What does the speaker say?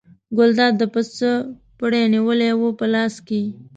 ګلداد د پسه پړی نیولی و په لاس کې.